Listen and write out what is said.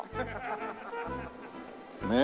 ねえ。